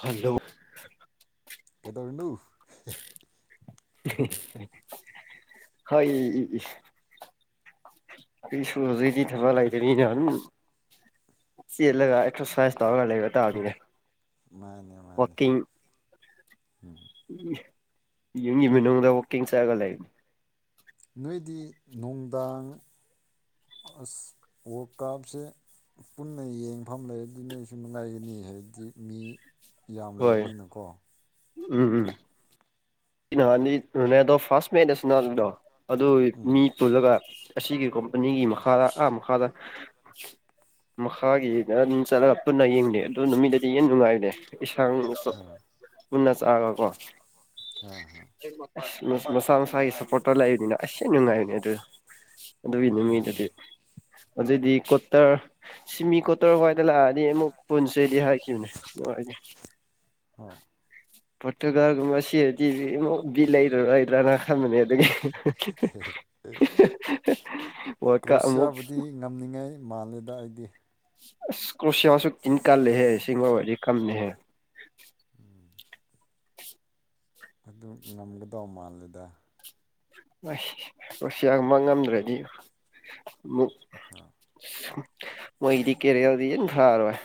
hello ꯀꯩꯗꯧꯔꯤꯅꯣ ꯍꯣꯏ ꯑꯩꯁꯨ ꯍꯧꯖꯤꯛ ꯊꯕꯛ ꯂꯩꯇꯕꯅꯤꯅ ꯑꯗꯨꯝ ꯆꯦꯜꯂꯒ ꯑꯦꯛꯁ꯭ꯔꯁꯥꯏ ꯇꯧꯔꯒ ꯂꯩꯕ ꯇꯕꯅꯤꯅꯦ ꯃꯥꯅꯦ ꯃꯥꯅꯦ ꯎꯝ ꯌꯨꯝꯒꯤ ꯃꯅꯨꯡꯗ ꯋꯥꯛꯀꯤꯡ ꯆꯠꯒ ꯂꯩꯕꯅꯤ ꯅꯣꯏꯗꯤ ꯅꯨꯡꯗꯥꯡ ꯑꯁ ꯋꯥꯔꯀꯥꯞꯁꯦ ꯄꯨꯟꯅ ꯌꯦꯡꯐꯝ ꯂꯩꯔꯗꯤ ꯅꯣꯏꯁꯨ ꯅꯨꯡꯉꯥꯏꯒꯅꯤ ꯍꯥꯏꯕꯗꯤ ꯃꯤ ꯌꯥꯝ ꯍꯣꯏ ꯂꯩꯕꯅꯤꯅꯀꯣ ꯎꯝ ꯎꯝ [unintelligible] ꯑꯗꯨ ꯎꯝ ꯃꯤ ꯄꯨꯜꯂꯒ ꯑꯁꯤꯒꯤ ꯀꯣꯝꯄꯅꯤꯒꯤ ꯃꯈꯥꯗ ꯑꯥ ꯃꯈꯥꯗ ꯃꯈꯥꯒꯤꯗ ꯑꯗꯨꯝ ꯆꯠꯂꯒ ꯄꯨꯟꯅ ꯌꯦꯡꯗꯦ ꯑꯗꯨ ꯅꯨꯃꯤꯠꯇꯗꯤ ꯌꯦꯟ ꯅꯨꯡꯉꯥꯏꯔꯦ ꯏꯟꯁꯥꯡꯗꯨꯁꯨ ꯑꯥ ꯄꯨꯟꯅꯆꯥꯔꯣꯀꯣ ꯑꯥ ꯍꯥ ꯃꯁꯥ ꯃꯁꯥꯒꯤ ꯁꯞꯄꯣꯔꯠꯇ ꯂꯩꯕꯅꯤꯅ ꯑꯁ ꯊꯤ ꯅꯨꯡꯉꯥꯏꯅꯦ ꯑꯗꯨ ꯑꯗꯨꯏ ꯃꯥꯅꯦ ꯅꯨꯃꯤꯠꯗꯗꯤ ꯑꯗꯨꯑꯣꯏꯗꯤ ꯀꯣꯇꯔ ꯁꯤꯃꯤ ꯀꯣꯇꯔ ꯍꯣꯏꯗ ꯂꯥꯛꯑꯗꯤ ꯑꯃꯨꯛ ꯄꯨꯟꯁꯤꯗꯤ ꯍꯥꯏ ꯑꯣ ꯄꯔꯣꯇꯨꯒꯜ ꯉꯁꯤ [unintelligible] ꯂꯩꯔꯔꯣꯏꯗ꯭ꯔꯥ ꯈꯟꯕꯅꯤ ꯑꯃꯨꯛ ꯋꯥꯔꯜ ꯀꯞ ꯑꯃꯨꯛ ꯀ꯭ꯔꯣꯁꯤꯌꯥꯕꯨꯗꯤ ꯉꯝꯅꯤꯡꯉꯥꯏ ꯃꯥꯜꯂꯦꯗ ꯑꯩꯗꯤ ꯑꯁ ꯀꯣꯔꯁꯤꯌꯥꯁꯨ [unintelligible] ꯀꯥꯂꯦꯍꯦ [unintelligible] ꯑꯗꯨ ꯉꯝꯒꯗꯧ ꯃꯥꯜꯂꯦꯗ ꯑꯁ ꯔꯁꯤꯌꯥꯅ ꯉꯝꯗ꯭ꯔꯗꯤ ꯃꯨꯛ ꯑꯥ ꯃꯣꯏꯒꯤꯗꯤ ꯀꯦꯔꯤꯌꯔꯗꯤ ꯌꯥꯝ ꯐꯔꯣꯏ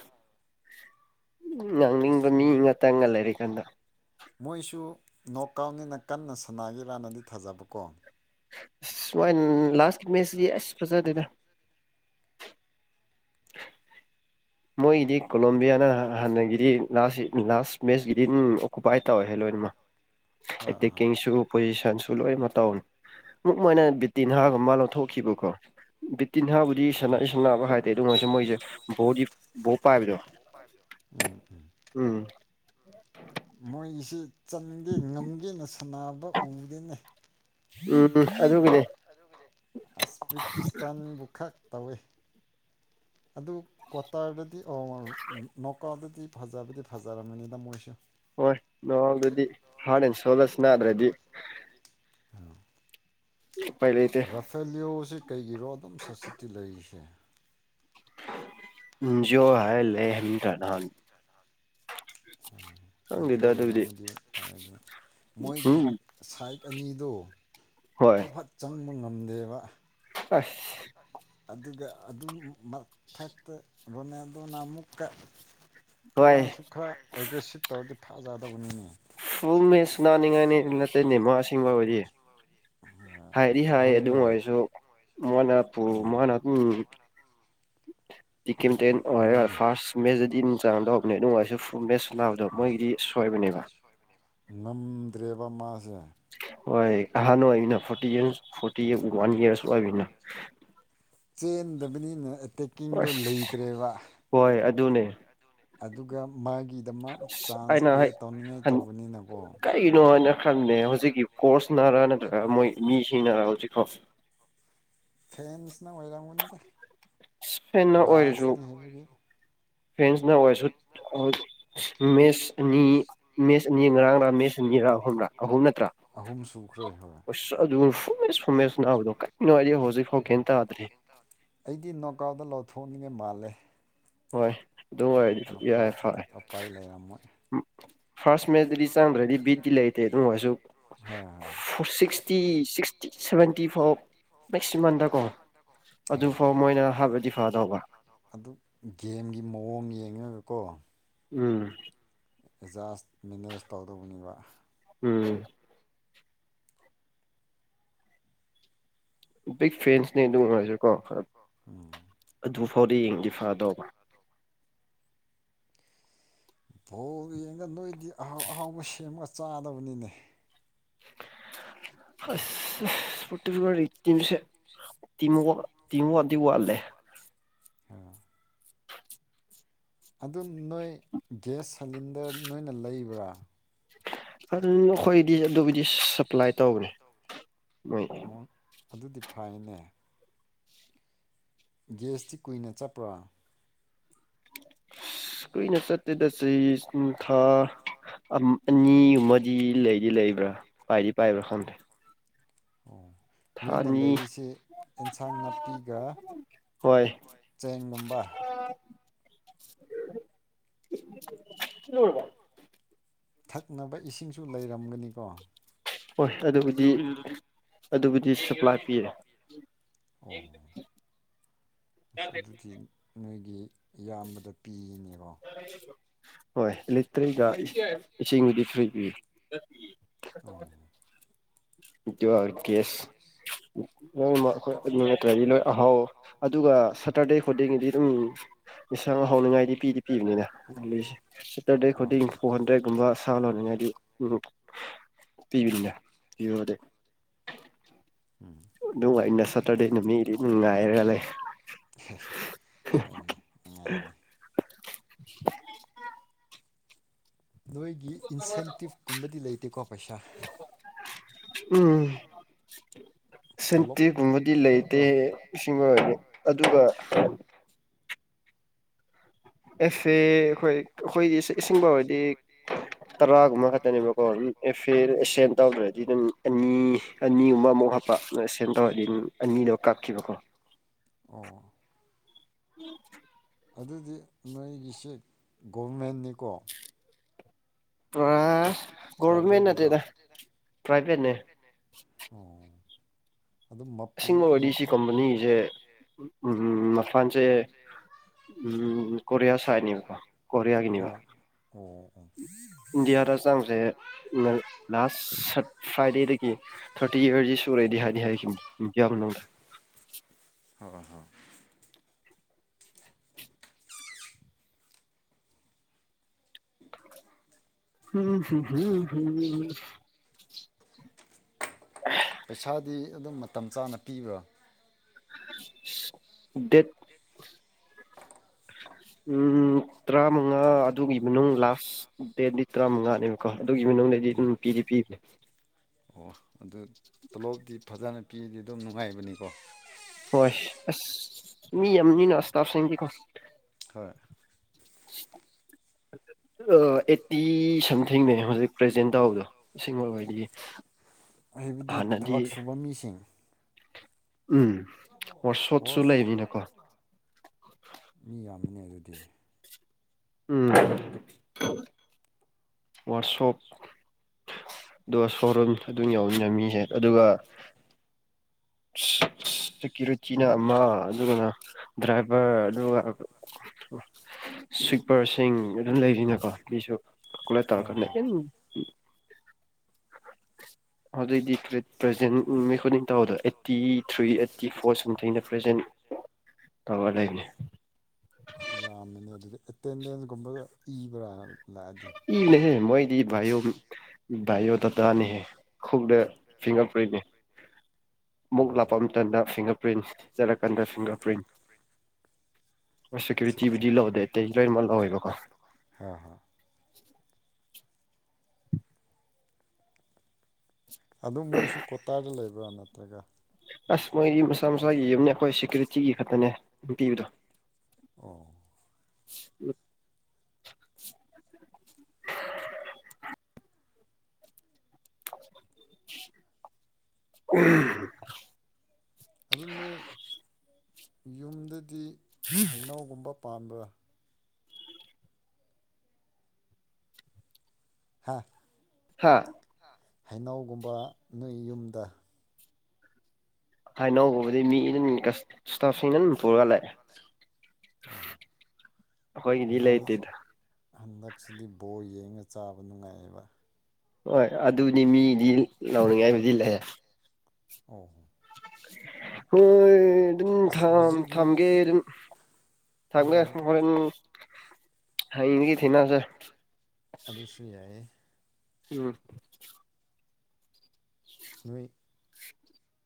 ꯎ ꯉꯥꯡꯅꯤꯡꯕ ꯃꯤ ꯃꯣꯏ ꯉꯥꯛꯇꯪꯒ ꯂꯩꯔ ꯀꯥꯟꯗ ꯃꯣꯏꯁꯨ ꯅꯣꯀꯥꯎꯟꯅꯤꯅ ꯀꯟꯅ ꯁꯅꯥꯒꯤꯔꯥꯟꯅꯗꯤ ꯊꯥꯖꯕꯀꯣ ꯑꯁ ꯁꯨꯃꯥꯏꯅ ꯂꯥꯁꯀꯤ ꯃꯦꯆꯁꯤ ꯑꯁ ꯐꯖꯗꯦꯗ ꯃꯣꯏꯒꯤꯗꯤ ꯀꯣꯂꯣꯕꯤꯌꯥꯅ ꯍꯥꯟꯅꯒꯤꯗꯤ ꯂꯥꯁ ꯂꯥꯁ ꯃꯦꯠꯁꯀꯤꯗꯤ ꯎꯝ ꯑꯣꯀꯨꯄꯥꯏ ꯇꯧꯏ ꯂꯣꯏ ꯃ ꯍꯥ ꯍꯥ ꯑꯦꯛꯇꯦꯀꯤꯡ ꯁꯨ ꯄꯣꯖꯤꯁꯟꯁꯨ ꯂꯣꯏꯃꯛ ꯇꯧꯔꯤ ꯃꯣꯏꯅ ꯕꯤ ꯇꯤꯟꯍꯥ ꯑꯃ ꯂꯧꯊꯣꯛꯈꯤꯕꯀꯣ ꯕꯤ ꯇꯤꯟꯍꯥ ꯗꯤ ꯁꯥꯅꯔꯤ ꯍꯥ ꯁꯥꯅꯕ ꯍꯥꯏꯗꯤ ꯑꯗꯨꯃꯣꯏꯁꯦ ꯃꯣꯏꯖꯦ ꯕꯣꯗꯤ ꯕꯣ ꯎꯝ ꯎꯝ [unintelligible] ꯃꯣꯏꯒꯤꯁꯤ ꯆꯟꯗꯦꯅꯦ ꯉꯝꯒꯦꯅ ꯁꯥꯟꯅꯕ ꯎꯗꯦꯅꯦ ꯎꯝ ꯑꯗꯨꯒꯤꯅꯦ ꯑꯁꯕꯤꯀꯤꯁꯇꯥꯟ ꯈꯛ ꯇꯧꯋꯦ ꯑꯗꯨ ꯀ꯭ꯋꯥꯇꯥꯔꯗꯗꯤ ꯑꯣ ꯅꯧꯀꯥꯟꯗꯗꯤ ꯐꯖꯕꯗꯤ ꯐꯖꯔꯕꯝꯃꯅꯤꯗ ꯃꯣꯏꯁꯨ ꯍꯣꯏ ꯅꯣꯑꯥꯎꯗꯗꯤ ꯍꯥꯂꯦꯟꯁꯨ ꯍꯥꯂꯦꯟ ꯁꯣꯜꯒ ꯁꯅꯥꯗꯔꯗꯤ ꯎꯄꯥꯏ ꯂꯩꯇꯦ ꯔꯥꯐꯦꯂꯤꯌꯣꯁꯤ ꯀꯩꯒꯤꯔꯣ ꯑꯗꯨꯝ ꯁꯕꯁꯤꯇ꯭ꯌꯤꯄ ꯂꯩꯔꯤꯁꯦ [unintelligible] ꯏꯟꯖꯤꯌꯣ ꯈꯪꯗꯦꯗ ꯑꯗꯨꯕꯨꯗꯤ ꯑꯣꯏꯔꯝꯗꯤ ꯐꯩ ꯑꯗꯨꯒ ꯃꯣꯏꯒꯤ ꯎꯝ ꯁꯥꯏꯠ ꯑꯅꯤꯗꯣ ꯍꯣꯏ ꯐꯠ ꯐꯠ ꯆꯪꯕ ꯉꯝꯗꯦꯕ ꯑꯁ ꯑꯗꯨꯒ ꯑꯗꯨ ꯃꯊꯛꯇ ꯔꯣꯅꯦꯜꯗꯣꯅ ꯑꯃꯨꯛꯀ ꯍꯣꯏ ꯃꯥꯁꯨ ꯈꯔ ꯑꯦꯒ꯭ꯔꯦꯁꯤꯞ ꯇꯧꯔꯗꯤ ꯐꯖꯗꯧꯕꯅꯤꯅꯦ ꯐꯨꯜ ꯁꯤꯡꯕꯕꯗꯤ ꯍꯥꯏꯔꯤ ꯍꯥꯏ ꯑꯗꯨ ꯍꯣꯏꯅꯦ ꯑꯣꯏꯔꯁꯨ ꯃꯣꯏꯅ ꯄꯨ ꯃꯅꯝ ꯎꯝ [inaudible] ꯀꯦꯞꯇꯦꯟ ꯑꯣꯏꯔꯒ ꯃꯥꯅꯦ ꯐꯥꯔꯁ ꯃꯦꯠꯁꯇꯗꯤ ꯏꯟ ꯆꯥꯡꯗꯣ ꯃꯦꯠꯁꯇ ꯐꯨ ꯃꯦꯠꯁ ꯁꯅꯥꯕꯗꯣ ꯍꯣꯏ ꯃꯣꯏꯒꯤꯗꯤ ꯁꯣꯏꯕꯅꯦ ꯀꯩꯕ ꯉꯝꯗ꯭ꯔꯦꯕ ꯃꯥꯖꯦ ꯍꯣꯏ ꯑꯍꯥꯟ ꯑꯣꯏꯅ forty years forty one years ꯑꯣꯏꯕꯅꯦ ꯆꯦꯟꯗꯕꯅꯤꯅ ꯑꯦꯇꯦꯛꯀꯤꯡꯗꯣ ꯂꯩꯇ꯭ꯔꯦꯕ ꯗꯨꯅꯦ ꯑꯗꯨꯒ ꯃꯥꯒꯤꯗꯃꯛ ꯆꯥꯟꯁ ꯑꯩꯅ ꯍꯦꯛ ꯀ꯭ꯔꯤꯌꯦꯠ ꯇꯧꯅꯤꯡꯉꯥꯏ ꯇꯧꯕꯅꯤꯅꯀꯣ ꯈꯡꯗꯦ ꯍꯧꯖꯤꯛꯀꯤ ꯀꯣꯔꯁꯅꯔꯥ ꯅꯠꯇ꯭ꯔꯒ ꯃꯣꯏ ꯃꯤꯁꯤꯡꯅꯔ ꯍꯧꯖꯤꯛꯀꯣ ꯐꯦꯟꯁꯅ ꯑꯣꯏꯔꯝꯒꯅꯤꯗ ꯐꯦꯟꯅ ꯂꯥꯁꯅꯤ ꯐ꯭ꯔꯦꯟꯁꯅ ꯑꯣꯏꯔꯁꯨ ꯃꯦꯁ ꯑꯅꯤ ꯃꯦꯁ ꯑꯅꯤ ꯉꯔꯥꯡꯔꯥ ꯃꯦꯁ ꯑꯅꯤꯔꯥ ꯑꯍꯨꯝꯔꯥ ꯑꯍꯨꯝ ꯅꯠꯇ꯭ꯔꯥ ꯑꯍꯨꯝ ꯁꯨꯈ꯭ꯔꯦ ꯍꯣꯏ ꯑꯁ ꯑꯗꯨ ꯐꯨꯝꯃꯦꯁ ꯅꯥꯕꯗꯣ ꯀꯩꯝꯇ ꯍꯧꯖꯤꯛꯐꯥꯎ ꯀꯩꯝ ꯇꯥꯗ꯭ꯔꯤ ꯑꯩꯒꯤ ꯅꯣꯡꯀꯥꯎꯗ ꯂꯧꯊꯣꯛꯅꯤꯡꯉ ꯃꯥꯜꯂꯦ ꯍꯣꯏ ꯑꯗꯨ ꯑꯣꯏꯔꯗꯤ ꯌꯥꯏ ꯉꯀꯥꯁꯤꯗꯤ ꯐꯔꯦ ꯎꯄꯥꯏ ꯂꯩꯔꯝꯃꯣꯏ ꯐꯥ꯭ꯔꯁ ꯃꯦꯗꯗꯤ ꯆꯪꯗ꯭ꯔꯗꯤ ꯕꯤꯠ ꯇꯤ ꯂꯩꯇꯦ ꯑꯗꯨꯝ ꯑꯣꯏꯔꯁꯨ ꯑꯣꯏꯔꯁꯨ ꯁꯤꯛꯁ꯭ꯇꯤ ꯁꯤꯛꯁ꯭ꯇꯤ ꯁꯚꯦꯟꯇꯤ ꯐꯥꯎ ꯃꯦꯛꯁꯤꯃꯝꯗꯀꯣ ꯍꯣꯏ ꯍꯣꯏ ꯍꯣꯏ ꯑꯗꯨꯐꯥꯎ ꯃꯣꯏꯅ ꯍꯥꯏꯕꯗꯤ ꯐꯗꯧꯕ ꯑꯗꯨ ꯒꯦꯝꯒꯤ ꯃꯑꯣꯡ ꯌꯦꯡꯉꯒꯀꯣ ꯎꯝ ꯑꯦꯖꯥꯔꯁ ꯃꯦꯅꯦꯖ ꯇꯧꯗꯧꯕꯅꯦꯕ ꯎꯝ ꯕꯤꯒ ꯐꯦꯟꯁ ꯅꯦ ꯑꯗꯨ ꯑꯣꯏꯔꯁꯤꯀꯣ ꯈꯔ ꯎꯝ ꯑꯗꯨ ꯐꯥꯎꯗꯤ ꯌꯦꯡꯉꯗꯤ ꯐꯗꯧꯕ ꯕꯣꯜ ꯌꯦꯡꯉꯒ ꯅꯣꯏꯗꯤ ꯑꯍꯥꯎ ꯑꯍꯥꯎꯕ ꯁꯦꯝꯃꯒ ꯆꯥꯗꯕꯅꯤꯅꯦ ꯑꯁ ꯑꯁ [unintelligible] ꯇꯤꯝꯋꯥꯛ ꯇꯤꯝꯋꯥꯛ ꯗꯤ ꯋꯥꯠꯂꯦ ꯍꯥꯏꯔꯛ ꯑꯣ ꯑꯗꯨ ꯅꯣꯏ ꯒ꯭ꯌꯥꯁ ꯁꯤꯂꯤꯟꯗꯔ ꯅꯣꯏꯅ ꯂꯩꯕ꯭ꯔꯥ ꯑꯗꯨ ꯑꯩꯈꯣꯏꯗꯤ ꯑꯗꯨꯒꯤꯗꯤ ꯁꯄ꯭ꯂꯥꯏ ꯇꯧꯕꯅꯤ ꯃꯣꯏ ꯑꯣ ꯑꯗꯨꯗꯤ ꯐꯩꯅꯦ ꯒꯦꯁꯇꯤ ꯀꯨꯏꯅ ꯆꯠꯄ꯭ꯔꯥ ꯀꯨꯏꯅ ꯆꯠꯇꯦꯗ ꯆꯍꯤ ꯊꯥ ꯑꯝ ꯑꯅꯤꯒꯨꯝꯕꯗꯤ ꯂꯩꯗꯤ ꯂꯩꯕ꯭ꯔꯥ ꯄꯥꯏꯗꯤ ꯄꯥꯏꯕ꯭ꯔꯥ ꯈꯪꯗꯦ ꯑꯣ ꯊꯥ ꯅꯣꯏꯅ ꯑꯅꯤ ꯂꯩꯔꯤꯁꯤ ꯑꯦꯟꯁꯥꯡ ꯅꯥꯄꯤꯒ ꯍꯣꯏ ꯆꯦꯡꯒꯨꯝꯕ [unintelligible] ꯊꯛꯅꯕ ꯏꯁꯤꯡꯁꯨ ꯂꯩꯔꯝꯒꯅꯤꯀꯣ ꯍꯣꯏ ꯑꯗꯨꯕꯨꯗꯤ ꯑꯗꯨꯕꯨꯗꯤ ꯁꯄ꯭ꯂꯥꯏ ꯄꯤꯔꯦ [inaudible] ꯑꯣ ꯑꯁ ꯑꯗꯨꯗꯤ ꯅꯣꯏꯒꯤ ꯏꯌꯥꯝꯕꯗ ꯄꯤꯔꯤꯅꯦ ꯍꯣꯏ ꯂꯦꯇꯔꯤꯒ ꯏꯁꯤꯡꯕꯨꯗꯤ ꯐꯔꯤ ꯄꯤꯌꯦ ꯑꯣ ꯀꯦꯁ ꯅꯪ ꯑꯩꯈꯣꯏ ꯅꯠꯇ꯭ꯔꯗꯤ ꯅꯣꯏ ꯑꯍꯥꯎ ꯑꯗꯨꯒ ꯁꯇꯔꯗꯦ ꯈꯨꯗꯤꯡꯒꯤꯗꯤ ꯑꯗꯨꯝ ꯏꯁꯥꯡ ꯍꯥꯎꯅꯤꯉꯥꯏꯗꯤ ꯄꯤꯗꯤ ꯄꯤꯕꯅꯤꯅ ꯁꯦꯇꯔꯗꯦ ꯈꯨꯗꯤꯡ ꯐꯣꯔ ꯍꯟꯗ꯭ꯔꯦꯠꯀꯨꯝꯕ ꯁꯥ ꯂꯣꯟꯅꯤꯅꯗꯤ ꯎꯝ ꯄꯤꯕꯅꯤꯗ ꯄꯤꯕꯨꯗꯤ ꯎꯝ ꯑꯗꯨꯅꯨꯡꯉꯥꯏꯅ ꯁꯇꯔꯗꯦ ꯅꯨ ꯃꯤꯗꯤ ꯅꯨꯡꯉꯥꯏꯔ ꯂꯩꯔꯦ ꯍꯣꯏꯅꯦ ꯅꯨꯡꯉꯥꯏꯅꯤ [unintelligible] ꯅꯣꯏꯒꯤ ꯏꯟꯁꯦꯟꯇꯤꯞꯀꯨꯝꯕꯗꯤ ꯂꯩꯇꯦꯀꯣ ꯄꯩꯁꯥ ꯎꯝ ꯇꯣꯂꯣꯞ ꯁꯦꯟꯇꯤꯒꯨꯝꯕꯗꯤ ꯈꯛꯇꯣ ꯂꯩꯇꯦ ꯏꯁꯤꯡ ꯑꯣꯏꯔꯗꯤ ꯑꯗꯨꯒ ꯑꯦꯐꯦ ꯑꯩꯈꯣꯏ ꯑꯩꯈꯣꯏꯗꯤ ꯏꯁꯤꯡ ꯐꯥꯎꯔꯗꯤ ꯇꯔꯥꯒꯨꯝꯕ ꯈꯛꯇꯅꯦꯕꯀꯣ ꯑꯦꯐꯦ ꯑꯦꯁꯦꯟ ꯇꯧꯗ꯭ꯔꯗꯤ ꯅꯪ ꯑꯅꯤ ꯑꯅꯤꯒꯨꯝꯕ ꯑꯃꯨꯛ ꯍꯥꯞꯄ ꯑꯦꯁꯦꯟ ꯇꯧꯔꯗꯤ ꯑꯅꯤ ꯀꯛꯈꯤꯕꯀꯣ ꯑꯣ [inaudible] ꯑꯗꯨꯗꯤ ꯅꯣꯏꯒꯤꯁꯤ ꯒꯣꯚꯔꯃꯦꯟꯅꯤꯀꯣ ꯑꯥ ꯒꯣꯕꯔꯃꯦꯟꯠ ꯄ꯭ꯔꯥꯏꯚꯦꯠꯀꯤꯔꯣ ꯅꯠꯇꯦꯗ ꯄ꯭ꯔꯥꯏꯚꯦꯠꯅꯦ ꯑꯣ ꯑꯗꯨꯝ ꯃꯄꯨ ꯑꯁꯦꯡꯕ ꯑꯣꯏꯔꯤ ꯁꯤ ꯃꯄꯨ ꯀꯝꯄꯅꯤꯁꯦ ꯎꯝ ꯃꯄꯥꯟꯁꯦ ꯀꯣꯔꯤꯌꯥ ꯁꯥꯏꯠꯅꯦꯕꯀꯣ ꯍꯥ ꯀꯣꯔꯤꯌꯥꯒꯤꯅꯦꯕ ꯑꯣ ꯑꯣ ꯏꯟꯗꯤꯌꯥꯗ ꯆꯪꯖꯦ ꯂꯥꯁ ꯁꯠ ꯐ꯭ꯔꯥꯏꯗꯦꯗꯒꯤ ꯊꯥꯔꯇꯤ ꯏꯌꯥꯔꯁꯤ ꯁꯨꯔꯦꯗꯤ ꯍꯥꯏꯗꯤ ꯍꯥꯏꯈꯤꯕꯅꯤ ꯏꯗꯤꯌꯥ ꯃꯅꯨꯡꯗ [inaudible] ꯍꯣꯏ ꯍꯣꯏ ꯍꯨꯝ ꯍꯨꯝ ꯍꯨ ꯍꯨ ꯄꯩꯁꯥꯗꯤ ꯑꯗꯨꯝ ꯃꯇꯝ ꯆꯥꯅ ꯄꯤꯕ꯭ꯔꯥ ꯗꯦꯠ ꯎꯝ ꯇꯔꯥꯃꯉꯥ ꯑꯗꯨꯒꯤ ꯃꯅꯨꯡ ꯂꯥꯁ ꯗꯦꯠꯗꯤ ꯇꯔꯥꯃꯉꯥꯅꯦꯕꯀꯣ ꯑꯗꯨꯒꯤ ꯅꯨꯡꯗꯗꯤ ꯑꯗꯨꯝ ꯄꯤꯗꯤ ꯄꯤꯕꯅꯦ ꯑꯣ ꯑꯗꯨ ꯇꯣꯂꯣꯞꯇꯤ ꯐꯖꯅ ꯄꯤꯔꯗꯤ ꯑꯗꯨꯝ ꯅꯨꯡꯉꯥꯏꯕꯅꯤꯀꯣ ꯍꯣꯏ ꯑꯁ ꯃꯤ ꯌꯥꯝꯕꯅꯤꯅ ꯑꯁꯇꯥꯞꯁꯤꯡꯗꯤ ꯀꯣ [inaudible] ꯍꯣꯏ ꯑꯩꯠꯇꯤ ꯁꯝꯊꯤꯡꯅꯦ ꯍꯧꯖꯤꯛ ꯄ꯭ꯔꯖꯦꯟ ꯇꯧꯕꯗꯣ ꯑꯁꯤꯃꯛ ꯑꯣꯏꯅꯤꯌꯦ ꯍꯥꯏꯕꯗꯤ ꯊꯕꯛ ꯁꯨꯕ ꯃꯤꯁꯤꯡ ꯎꯝ ꯑꯣꯔ ꯁꯣꯠꯁꯨ ꯑꯣꯁ ꯂꯩꯔꯤꯅꯀꯣ ꯑꯃꯅꯤ ꯑꯗꯨꯗꯤ ꯎꯝ ꯋꯥꯔꯁꯣꯞ ꯑꯗꯨꯒ ꯁꯣꯔꯨꯝ ꯑꯗꯨꯝ ꯌꯧꯋꯤꯅꯦꯃꯤꯍꯦꯛ ꯑꯗꯨꯒ ꯁꯤ ꯁꯤꯀꯨꯔꯤꯅ ꯑꯃ ꯑꯗꯨꯒꯅ ꯗ꯭ꯔꯥꯏꯚꯔ ꯑꯗꯨꯒ ꯁ꯭ꯋꯤꯞꯄꯔꯁꯤꯡ ꯑꯗꯨꯝ ꯂꯩꯔꯤꯅꯀꯣ ꯃꯤꯁꯨ ꯀꯨꯂꯦꯠ ꯍꯣꯏ ꯇꯧꯔꯛꯀꯥꯅꯤ ꯑꯗꯨꯑꯣꯏꯗꯤ ꯄ꯭ꯔꯖꯦꯟ ꯅꯨꯃꯤꯠ ꯈꯨꯗꯤꯡ ꯇꯧꯕꯗꯣ ꯑꯦꯠ ꯏ ꯊ꯭ꯔꯤ ꯑꯩꯠꯀꯤ ꯐꯣꯔꯁꯝꯊꯤꯡꯗ ꯄ꯭ꯔꯖꯦꯟ ꯇꯧꯔ ꯂꯩꯅꯦ ꯌꯥꯝꯃꯤꯅꯦ ꯑꯗꯨꯗꯤ ꯑꯦꯇꯦꯟꯗꯦꯟꯒꯨꯝꯕꯒ ꯏꯕ꯭ꯔꯥ ꯂꯥꯛꯑꯗꯤ ꯏ ꯂꯩꯍꯦ ꯃꯣꯏ ꯏ ꯚꯥꯏꯌꯣ ꯚꯥꯏꯌꯣꯗꯥꯇꯥꯅꯦ ꯈꯣꯡꯗ ꯐꯤꯡꯒꯔ ꯄ꯭ꯔꯤꯟꯅꯦ ꯃꯨꯛ ꯑꯣ ꯂꯥꯞꯄꯃꯇꯝꯗ ꯐꯤꯡꯒꯔꯄ꯭ꯔꯤꯟꯁ ꯆꯠꯂꯀꯥꯟꯗ ꯐꯤꯡꯒꯔ ꯄ꯭ꯔꯤꯟ ꯑꯠꯆꯥ ꯑꯠꯆꯥ ꯁꯦꯀ꯭ꯌꯨꯔꯤꯇꯤꯕꯨꯗꯤ ꯂꯧꯗꯦ ꯑꯇꯩ ꯂꯣꯏꯅꯃꯛ ꯂꯧꯋꯦꯕꯀꯣ ꯍꯣꯏ ꯍꯣꯏ [inaudible] ꯑꯗꯨꯝ ꯃꯣꯏꯁꯨ ꯀꯣꯇꯥꯗꯤ ꯂꯩꯕ꯭ꯔꯥ ꯅꯠꯇ꯭ꯔꯒ ꯑꯁ ꯃꯣꯏꯒꯤ ꯃꯁꯥ ꯃꯁꯥ ꯌꯨꯝꯅꯦ ꯑꯩꯈꯣꯏ ꯁꯦꯀ꯭ꯌꯨꯔꯤꯇꯤꯒꯤ ꯈꯛꯇꯅꯦ ꯄꯤꯕꯗꯣ ꯑꯣ [unintelligible] ꯎ ꯑꯗꯨꯝ ꯅꯣꯏ ꯌꯨꯝꯗꯗꯤ ꯍꯩꯅꯥꯎꯒꯨꯝꯕ ꯄꯥꯟꯕ꯭ꯔꯥ ꯍꯥꯥ ꯍꯥꯥ ꯍꯩꯅꯧꯒꯨꯝꯕ ꯅꯣꯏ ꯌꯨꯝꯗ ꯍꯥꯏꯅꯧꯒꯨꯝꯕꯗꯤ ꯃꯤ ꯏꯅ ꯏꯁꯇꯥꯐꯁꯤꯡ ꯅ ꯄꯨꯔꯒ ꯂꯥꯛꯑꯦ ꯑꯣ ꯑꯩꯈꯣꯏꯒꯤꯗꯤ ꯍꯩꯅꯧꯁꯦ ꯂꯩꯇꯦꯗ ꯍꯟꯗꯛꯁꯤꯗꯤ ꯕꯣꯜ ꯌꯦꯡꯉ ꯆꯥꯕ ꯅꯨꯡꯉꯥꯏꯌꯦꯕ ꯍꯣꯏ ꯑꯗꯨꯗꯤ ꯃꯤꯗꯤ ꯂꯧꯎꯅꯤꯡꯉꯥꯏꯕꯨꯗꯤ ꯂꯩꯌꯦ ꯑꯣ ꯍꯣꯏ ꯑꯗꯨꯝ ꯑꯁ ꯊ ꯍꯧꯖꯤꯛ ꯅꯣꯏ ꯊꯝꯒꯦ ꯑꯗꯨꯝ ꯊꯝꯒꯦ ꯍꯣꯔꯦꯟ ꯍꯌꯦꯡꯗꯒꯤ ꯊꯦꯡꯅꯁꯦ ꯑꯗꯨꯁꯨ ꯌꯥꯏꯌꯦ ꯎꯝ ꯅꯣꯏ